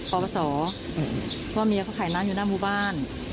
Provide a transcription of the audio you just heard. เพราะเมียเค้าขายน้ำอยู่หน้ามุบ้าน